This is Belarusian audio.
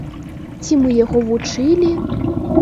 Ці мы яго вучылі?